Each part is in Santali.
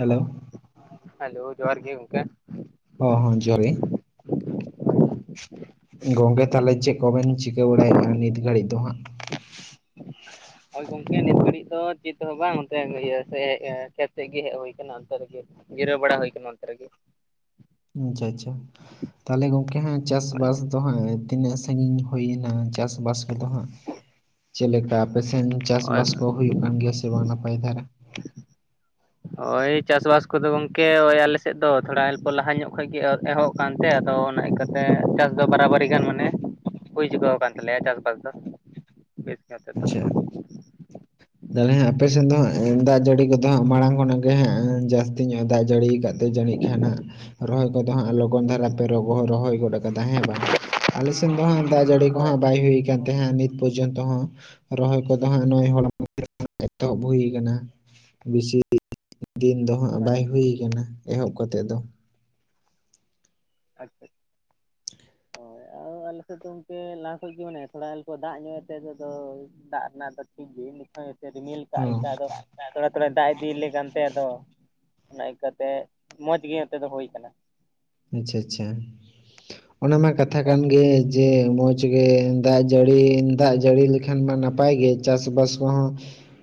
ᱮᱞᱳ ᱾ ᱮᱞᱳ, ᱡᱚᱦᱟᱨ ᱜᱮ ᱜᱚᱝᱠᱮ ᱾ ᱳ ᱦᱳᱦ ᱡᱚᱦᱚᱨ ᱜᱮ ᱾ ᱥ-ᱩ-ᱡ, ᱜᱚᱝᱠᱮ ᱛᱟᱦᱞᱮ ᱪᱮᱜ ᱠᱚᱵᱮᱱ ᱪᱤᱠᱟᱹ ᱵᱟᱲᱟᱭᱮᱼᱟ ᱱᱤᱛ ᱜᱷᱟᱹᱲᱤᱡ ᱫᱚ ᱦᱟᱸᱜ? ᱚᱭ ᱜᱚᱝᱠᱮ ᱱᱤᱛ ᱜᱷᱟᱹᱲᱤᱡ ᱫᱚ ᱪᱮᱫ ᱦᱚᱸ ᱵᱟᱝ, ᱚᱱᱛᱮ ᱤᱭᱟ ᱥᱮ ᱦᱮᱸ ᱠᱷᱮᱛ ᱥᱮᱜ ᱜᱮ ᱦᱮᱡ ᱦᱩᱭ ᱠᱟᱱᱟ, ᱚᱱᱛᱮ ᱨᱮᱜᱮ ᱡᱤᱨᱟᱹᱣ ᱵᱟᱲᱟ ᱦᱳᱭ ᱠᱟᱱᱟ ᱚᱱᱛᱮ ᱨᱮᱜᱮ ᱟᱪ-ᱪᱷᱟ ᱟᱪ-ᱪᱷᱟ, ᱛᱟᱦᱞᱮ ᱜᱚᱝᱠᱮ ᱦᱟᱸᱜ ᱪᱟᱥ ᱵᱟᱥ ᱛᱚ ᱦᱟᱸᱜ ᱛᱤᱱᱟᱹᱜ ᱥᱟᱹᱜᱤᱧ ᱦᱩᱭᱮᱱᱟ ᱪᱟᱥ ᱵᱟᱥ ᱠᱚᱫᱚ ᱦᱟᱸᱜ ᱪᱮᱫ ᱞᱮᱠᱟ ᱟᱯᱮ ᱥᱮᱱ ᱪᱟᱥ ᱦᱳᱭ ᱵᱟᱥ ᱠᱚ ᱦᱩᱭᱩᱜ ᱠᱟᱱ ᱜᱮᱭᱟ ᱥᱮ ᱵᱟᱝ ᱱᱟᱯᱟᱭ ᱛᱮ ᱦᱟᱸᱜ? ᱳᱭ ᱪᱟᱥᱵᱟᱥ ᱠᱚᱫᱚ ᱜᱚᱝᱠᱮ ᱳᱭ ᱟᱞᱮ ᱥᱮᱫ ᱫᱚ ᱛᱷᱚᱲᱟ ᱚᱞᱯᱚ ᱞᱟᱦᱟ ᱧᱚᱜ ᱠᱷᱚᱡ ᱜᱮ ᱮᱦᱚᱵ ᱠᱟᱱᱛᱮ ᱟᱫᱚ ᱚᱱᱟ ᱠᱟᱹᱛᱮ ᱪᱟᱥ ᱫᱚ ᱵᱟᱨᱟᱵᱟᱨᱤ ᱜᱟᱱ ᱢᱟᱱᱮ ᱦᱳᱭ ᱪᱩᱟᱹᱣ ᱟᱠᱟᱱ ᱛᱟᱞᱮᱭᱟ ᱪᱟᱥ ᱵᱟᱥ ᱫᱚ ᱾ ᱟᱪᱷᱟᱜ ᱾ ᱛᱟᱞᱦᱮ ᱟᱯᱮ ᱥᱮᱫ ᱫᱚ ᱦᱟᱸᱜ ᱫᱟᱜ ᱡᱟᱹᱲᱤ ᱠᱚᱫᱚ ᱦᱟᱸᱜ ᱢᱟᱲᱟᱝ ᱠᱷᱚᱱᱟᱜ ᱜᱮ ᱦᱟᱸᱜ ᱡᱟᱥ ᱛᱤᱧ ᱫᱟᱜ ᱡᱟᱹᱲᱤ ᱟᱠᱟᱫ ᱛᱮ ᱡᱟᱹᱱᱤᱡ ᱠᱷᱟᱱ ᱦᱟᱸᱜ ᱨᱚᱦᱚᱭ ᱠᱚᱫᱚ ᱦᱟᱸᱜ ᱞᱚ ᱩᱱ ᱫᱷᱟᱨᱟ ᱯᱮ ᱨᱚᱜᱚᱭ ᱨᱚᱦᱚᱭ ᱜᱚᱫ ᱠᱟᱫᱟ ᱦᱮᱸ ᱵᱟᱝ ᱟᱞᱮ ᱥᱮᱱ ᱫᱚ ᱦᱟᱸᱜ ᱫᱟᱜ ᱡᱟᱹᱲᱤ ᱠᱚ ᱦᱳᱭ ᱦᱟᱸᱜ ᱵᱟᱭ ᱦᱤᱲᱤᱠ ᱠᱟᱱ ᱛᱟᱦᱮᱸᱼᱟ ᱱᱤᱛ ᱯᱚᱨᱡᱚᱱᱛᱚ ᱦᱚᱸ ᱨᱚᱦᱚᱭ ᱠᱚᱫᱚ ᱦᱟᱸᱜ ᱱᱩᱭ ᱦᱚᱲ ᱢᱚᱫᱽᱫᱷᱮᱹᱛᱮ ᱮᱛᱚᱦᱚᱵ ᱦᱩᱭ ᱠᱟᱱᱟ ᱾ ᱵᱤᱥᱤ ᱫᱤᱱ ᱫᱚ ᱦᱟᱸᱜ ᱦᱳᱭ ᱵᱟᱭ ᱦᱩᱭ ᱠᱟᱱᱟ ᱮᱦᱚᱵ ᱠᱟᱛᱮᱜ ᱫᱚ ᱟᱥᱛᱮᱹᱜ ᱾ ᱚ ᱟᱞᱮᱥᱮᱫ ᱫᱚ ᱚᱝᱠᱮ ᱞᱟᱦᱟ ᱠᱷᱚᱡ ᱜᱮ ᱢᱟᱱᱮ ᱛᱷᱚᱲᱟ ᱚᱞᱯᱚ ᱫᱟᱜ ᱧᱚᱜ ᱮᱫ ᱛᱮ ᱱᱚᱛᱮ ᱫᱚ ᱫᱟᱜ ᱨᱮᱱᱟᱜ ᱫᱚ ᱴᱷᱤᱠ ᱜᱮ ᱱᱤᱛᱦᱚᱸ ᱾ ᱨᱤᱢᱤᱞ ᱠᱟᱜ ᱦᱚᱸ ᱞᱮᱠᱟ ᱟᱫᱚ, ᱛᱷᱚᱲᱟ ᱛᱷᱚᱲᱟᱭ ᱫᱟᱜ ᱮᱫ ᱾ ᱵᱤᱞᱞᱮ ᱠᱟᱱᱛᱮ ᱟᱫᱚ ᱱᱟᱭ ᱠᱟᱛᱮᱜ ᱢᱚᱸᱡᱽ ᱜᱮ ᱚᱱᱛᱮ ᱫᱚ ᱦᱳᱭ ᱠᱟᱱᱟ ᱾ ᱟᱪ-ᱪᱷᱟ ᱟᱪ-ᱪᱷᱟ, ᱚᱱᱟ ᱢᱟ ᱠᱟᱛᱷᱟ ᱦᱳᱭ ᱠᱟᱱ ᱜᱮᱡ ᱡᱮ ᱢᱚᱡᱽ ᱜᱮ ᱫᱟᱜ ᱡᱟᱹᱲᱤ ᱫᱟᱜ ᱡᱟᱹᱲᱤ ᱞᱮᱠᱷᱟᱱ ᱢᱟ ᱱᱟᱯᱟᱭ ᱜᱮ ᱪᱟᱥᱵᱟᱥ ᱠᱚᱦᱚᱸ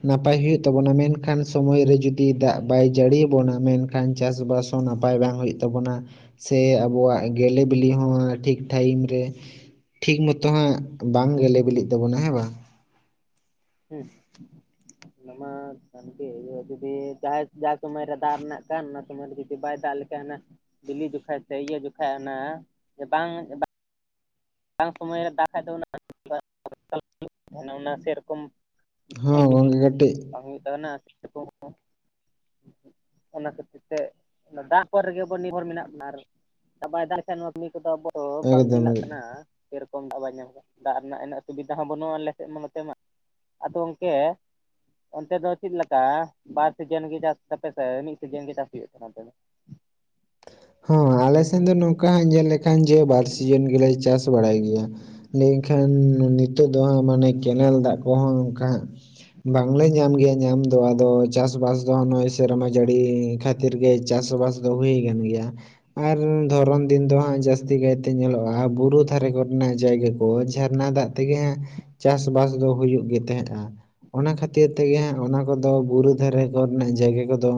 ᱱᱟᱯᱟᱭ ᱦᱩᱭᱩᱜ ᱛᱟᱵᱚᱱᱟ ᱢᱮᱱᱠᱷᱟᱱ ᱥᱚᱢᱚᱭ ᱨᱮ ᱡᱩᱫᱤ ᱫᱟᱜ ᱵᱟᱭ ᱡᱟᱹᱲᱤᱭᱟ ᱟᱵᱚᱱᱟ ᱢᱮᱱ ᱠᱷᱟᱱ ᱪᱟᱥᱵᱟᱥ ᱦᱚᱸ ᱱᱟᱯᱟᱭ ᱵᱟᱝ ᱦᱩᱭᱩᱜ ᱛᱟᱵᱚᱱᱟ ᱾ ᱥᱮ ᱟᱵᱚᱣᱟᱜ ᱜᱮᱞᱮ ᱵᱤᱞᱤ ᱦᱚᱸ ᱴᱷᱤᱠ ᱴᱷᱟᱭᱤᱢ ᱨᱮ ᱴᱷᱤᱠ ᱢᱚᱛᱚ ᱦᱟᱸᱜ ᱵᱟᱝ ᱜᱮᱞᱮ ᱵᱤᱞᱤᱜ ᱛᱟᱵᱚᱱᱟ ᱦᱮᱸ ᱵᱟᱝ? ᱦᱮᱸ [inaudible] ᱠᱟᱱᱜᱮ ᱡᱩᱫᱤ ᱡᱟᱦᱟᱸᱭ ᱡᱟ ᱥᱚᱢᱚᱭ ᱨᱮ ᱫᱟᱜ ᱨᱮᱱᱟᱜ ᱠᱟᱱ ᱚᱱᱟ ᱥᱚᱢᱚᱭ ᱨᱮ ᱡᱩᱫᱤ ᱵᱟᱭ ᱫᱟᱜ ᱞᱮᱠᱷᱟᱱ ᱚᱱᱟ ᱵᱤᱞᱤ ᱡᱚᱠᱷᱚᱡ ᱥᱮ ᱤᱭᱟᱹ ᱡᱚᱠᱷᱚᱡ ᱚᱱᱟ ᱡᱮ ᱵᱟᱝ ᱥᱚᱢᱚᱭ ᱨᱮ ᱫᱟᱜ ᱠᱷᱟ ᱫᱚ ᱚᱱᱟ [unintelligible] ᱚᱱᱟ ᱥᱮᱨᱚᱠᱚᱢ ᱦᱚ ᱜᱚᱝᱜᱮ ᱠᱟᱴᱤ ᱵᱟᱝ ᱦᱩᱭᱩᱜ ᱛᱟᱵᱚᱱᱟ ᱥᱮᱨᱚᱠᱚᱢ ᱚᱱᱟ ᱠᱷᱟᱹᱛᱤᱨ ᱛᱮ ᱚᱱᱟ ᱫᱟᱜ ᱯᱚᱨ ᱨᱮᱜᱮ ᱟᱵᱚ ᱱᱤᱨᱵᱷᱚᱨ ᱢᱮᱱᱟᱜ ᱵᱚᱱᱟ ᱟᱨ ᱫᱟᱜ ᱵᱟᱭ ᱫᱟᱜ ᱞᱮᱠᱷᱟᱱ ᱠᱟᱹᱢᱤ ᱠᱚᱫᱚ ᱟᱵᱚ ᱛᱚ ᱵᱟᱝ ᱮᱠᱫᱚᱢ ᱡᱤᱞᱟᱜ ᱮᱠᱫᱚᱢ ᱠᱟᱱᱟ ᱥᱮᱨᱚᱠᱚᱢ ᱫᱟᱜ ᱵᱟᱭ ᱧᱟᱢ ᱟᱠᱟᱫᱟ ᱫᱟᱜ ᱨᱮᱱᱟᱜ ᱩᱱᱟᱹᱜ ᱥᱩᱵᱤᱫᱟ ᱦᱚᱸ ᱵᱟᱹᱱᱩᱜᱼᱟ ᱟᱞᱮ ᱥᱮᱫ ᱢᱟ ᱱᱚᱛᱮ ᱢᱟ ᱾ ᱟᱫᱚ ᱚᱱᱠᱮ ᱚᱱᱛᱮ ᱫᱚ ᱪᱮᱫ ᱞᱮᱠᱟ ᱵᱟᱨ ᱥᱤᱡᱮᱱ ᱜᱮ ᱪᱟᱥ ᱛᱟᱯᱮᱥᱮ ᱢᱤᱫ ᱥᱤᱡᱮᱱ ᱜᱮ ᱪᱟᱥ ᱦᱩᱭᱩᱜ ᱠᱟᱱᱟ ᱱᱚᱱᱛᱮ ᱫᱚ ᱦᱚᱸ ᱟᱞᱮ ᱥᱮᱱ ᱫᱚ ᱱᱚᱝᱠᱟ ᱧᱮᱞ ᱞᱮᱠᱷᱟᱱ ᱡᱮ ᱵᱟᱨ ᱥᱤᱡᱮᱱ ᱜᱮᱞᱮ ᱪᱟᱥ ᱵᱟᱲᱟᱭ ᱜᱮᱭᱟ ᱾ ᱞᱮᱹᱭᱠᱷᱟᱱ ᱱᱤᱛᱚᱜ ᱫᱚ ᱦᱟᱸᱜ ᱢᱟᱱᱮ ᱠᱮᱱᱮᱞ ᱫᱟᱜ ᱠᱚᱦᱚᱸ ᱚᱱᱠᱟ ᱵᱟᱝᱞᱮ ᱧᱟᱢ ᱜᱮᱭᱟ ᱧᱟᱢ ᱫᱚ ᱟᱫᱚ ᱪᱟᱥᱵᱟᱥ ᱫᱚ ᱱᱚᱜᱼᱚᱭ ᱥᱮᱨᱢᱟ ᱡᱟᱹᱲᱤ ᱠᱷᱮ ᱠᱷᱟᱹᱛᱤᱨ ᱜᱮ ᱪᱟᱥᱵᱟᱥ ᱫᱚ ᱦᱩᱭ ᱟᱠᱟᱱ ᱜᱮᱭᱟ ᱾ ᱟᱨ ᱫᱷᱚᱨᱚᱱ ᱫᱤᱱ ᱫᱚ ᱦᱟᱸᱜ ᱡᱟᱹᱥᱛᱤ ᱠᱟᱭᱛᱮ ᱧᱮᱞᱚᱜᱼᱟ ᱵᱩᱨᱩ ᱫᱷᱟᱨᱮ ᱠᱚᱨᱮᱱᱟᱜ ᱡᱟᱭᱜᱟ ᱠᱚ ᱡᱷᱟᱨᱱᱟ ᱫᱟᱜ ᱛᱮᱜᱮ ᱦᱟᱜ ᱪᱟᱥᱵᱟᱥ ᱫᱚ ᱦᱩᱭᱩᱜ ᱜᱮ ᱛᱟᱦᱮᱸᱫᱼᱟ ᱾ ᱚᱱᱟ ᱠᱷᱟᱹᱛᱤᱨ ᱛᱮᱜᱮ ᱦᱟᱸᱜ ᱚᱱᱟ ᱠᱚᱫᱚ ᱵᱩᱨᱩ ᱫᱷᱟᱨᱮ ᱠᱚᱨᱮᱱᱟᱜ ᱡᱟᱭᱜᱟ ᱠᱚᱫᱚ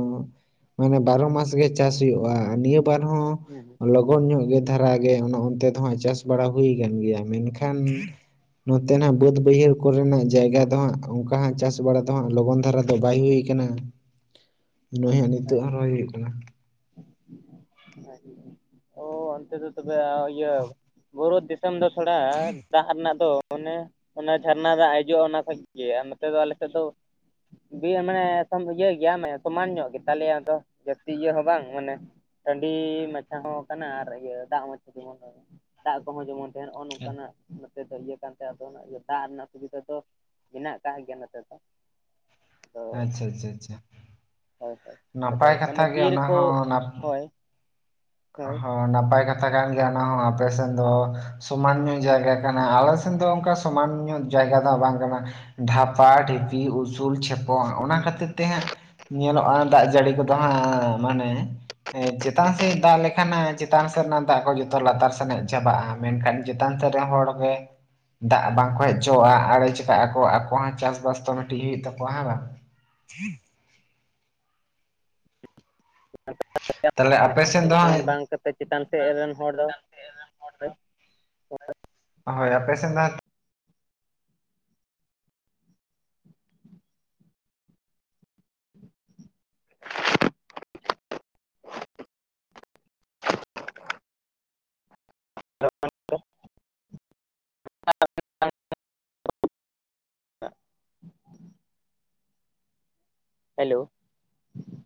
ᱢᱟᱱᱮ ᱵᱟᱨᱚ ᱢᱟᱥ ᱜᱮ ᱪᱟᱥ ᱦᱩᱭᱩᱜᱼᱟ ᱱᱤᱭᱟᱹ ᱵᱟᱨ ᱦᱩᱸ ᱦᱩᱸ ᱦᱚᱸ ᱜᱚᱱ ᱧᱚᱜ ᱜᱮ ᱫᱷᱟᱨᱟᱜ ᱜᱮ ᱚᱱᱟ ᱚᱱᱛᱮ ᱫᱚᱦᱟᱸᱜ ᱪᱟᱥ ᱵᱟᱲᱟ ᱦᱩᱭ ᱟᱠᱟᱱ ᱜᱮᱭᱟ ᱢᱮᱱᱠᱷᱟᱱ ᱱᱚᱛᱮᱱᱟᱜ ᱵᱟᱹᱫᱽ ᱵᱟᱹᱭᱦᱟᱹᱲ ᱠᱚᱨᱮᱱᱟᱜ ᱡᱟᱭᱜᱟ ᱫᱚ ᱦᱟᱸ ᱚᱱᱠᱟ ᱦᱟᱜ ᱪᱟᱥ ᱵᱟᱲᱟ ᱫᱚ ᱦᱟᱸᱜ ᱞᱚᱜᱚᱱ ᱫᱷᱟᱨᱟ ᱫᱚ ᱵᱟᱭ ᱦᱩᱭ ᱟᱠᱟ ᱠᱟᱱᱟ ᱱᱚᱭ ᱦᱟᱜ ᱟᱪᱪᱷᱟ ᱱᱤᱛᱚᱜ ᱦᱚᱸ ᱨᱚᱦᱚᱭ ᱦᱩᱭᱩᱜ ᱠᱟᱱᱟ ᱾ ᱚ ᱚᱱᱛᱮ ᱫᱚ ᱛᱚᱵᱮ ᱤᱭᱟᱹ ᱵᱩᱨᱩ ᱫᱤᱥ ᱫᱚ ᱛᱷᱚᱲᱟ ᱫᱟᱜ ᱨᱮᱱᱟᱜ ᱫᱚ ᱚᱱᱮ ᱚᱱᱟ ᱡᱷᱟᱨᱱᱟ ᱫᱟᱜ ᱦᱤᱡᱩᱜᱼᱟ ᱚᱱᱟ ᱠᱷᱚᱡ ᱜᱮ ᱟᱨ ᱱᱚᱛᱮ ᱫᱚ ᱟᱞᱮ ᱥᱮᱫ ᱫᱚ ᱢᱟᱱᱮ ᱤᱭᱟᱹ ᱜᱮᱭᱟ ᱢᱟᱱᱮ ᱥᱚᱢᱟᱱ ᱧᱚᱜ ᱜᱮᱛᱟᱞᱮᱭᱟᱫᱚ ᱡᱟᱹᱥᱛᱤ ᱤᱭᱟᱹ ᱦᱚᱸ ᱵᱟᱝ ᱢᱟᱱᱮ ᱴᱟᱺᱰᱤ ᱢᱟᱪᱷᱟ ᱦᱚᱸ ᱠᱟᱱᱟ ᱟᱨ ᱤᱭᱟᱹ ᱫᱟᱜ ᱢᱟᱪᱷᱟ ᱫᱟᱜ ᱠᱚᱦᱚᱸ ᱡᱮᱢᱚᱱ ᱛᱮ ᱱᱚᱜᱼᱚ ᱱᱚᱝᱠᱟᱱᱟᱜ ᱱᱚᱛᱮ ᱫᱚ ᱤᱭᱟᱹ ᱠᱟᱱ ᱛᱮ ᱟᱫᱚ ᱱᱟᱜ ᱫᱟᱜ ᱨᱮᱱᱟᱜ ᱥᱩᱵᱤᱫᱟ ᱫᱚ ᱢᱮᱱᱟᱜ ᱟᱠᱟᱫ ᱜᱮᱭᱟ ᱱᱚᱛᱮ ᱫᱚ ᱾ ᱟᱪᱪᱷᱟ ᱟᱪᱪᱷᱟ ᱟᱪᱪᱷᱟ ᱾ ᱦᱳᱭ ᱦᱳᱭ ᱟᱫᱚ ᱢᱟᱱᱮ ᱜᱮ ᱵᱤᱨ ᱚᱱᱟ ᱠᱚ ᱦᱳᱭ ᱦᱳᱭ ᱦᱚ ᱱᱟᱯᱟᱭ ᱠᱟᱛᱷᱟ ᱠᱟᱱ ᱜᱮᱭᱟ ᱚᱱᱟ ᱦᱚᱸ ᱟᱯᱮᱥᱮᱱ ᱫᱚ ᱥᱚᱢᱟᱱ ᱧᱚᱜ ᱡᱟᱭᱜᱟ ᱠᱟᱱᱟ ᱟᱞᱮ ᱥᱮᱱ ᱫᱚ ᱚᱱᱠᱟ ᱥᱚᱢᱟᱱ ᱧᱚᱜ ᱡᱟᱭᱜᱟ ᱫᱚ ᱵᱟᱝ ᱠᱟᱱᱟ ᱾ ᱰᱷᱟᱯᱟ ᱰᱷᱤᱯᱤ ᱩᱥᱩᱞ ᱪᱷᱮᱯᱚ ᱚᱱᱟ ᱠᱷᱟᱹᱛᱤᱨ ᱛᱮ ᱦᱟᱸᱜ ᱧᱮᱞᱚᱜᱼᱟ ᱫᱟᱜ ᱡᱟᱹᱲᱤ ᱠᱚᱫᱚ ᱦᱟᱸᱜ ᱢᱟᱱᱮ ᱪᱮᱛᱟᱱ ᱥᱮᱫ ᱫᱟᱜ ᱞᱮᱠᱷᱟᱱ ᱦᱟᱜ ᱪᱮᱛᱟᱱ ᱥᱮᱫ ᱨᱮᱱᱟᱜ ᱫᱟᱜ ᱠᱚ ᱡᱚᱛᱚ ᱞᱟᱛᱟᱨ ᱥᱮᱱ ᱦᱮᱡ ᱪᱟᱵᱟᱜᱼᱟ ᱢᱮᱱᱠᱷᱟᱱ ᱪᱮᱛᱟᱱ ᱥᱮᱫ ᱨᱮᱱ ᱦᱚᱲᱜᱮ ᱫᱟᱜ ᱵᱟᱝᱠᱚ ᱦᱮᱡ ᱦᱚᱪᱚᱣᱟᱜᱼᱟ ᱟᱲᱮ ᱪᱮᱠᱟᱜ ᱟᱠᱚ ᱟᱠᱚ ᱦᱚᱸ ᱪᱟᱥᱵᱟᱥ ᱛᱚ ᱢᱤᱫᱴᱤᱡ ᱦᱩᱭᱩᱜ ᱛᱟᱠᱚᱣᱟ ᱦᱮᱸ ᱵᱟᱝ? [unintelligible] ᱛᱟᱦᱚᱞᱮ [unintelligible] ᱟᱯᱮ ᱥᱮᱱ ᱢᱤᱫ ᱫᱚ ᱥᱚᱢᱟᱱ ᱦᱟᱸᱜ ᱵᱟᱝ ᱠᱟᱛᱮ ᱪᱮᱛᱟᱱ ᱥᱮᱫ ᱨᱮᱱ ᱦᱚᱲ ᱫᱚ ᱦᱳᱭ ᱟᱯᱮᱥᱮᱱ ᱫᱚ ᱦᱟᱜ [unintelligible] [unintelligible] ᱦᱮᱞᱳ᱾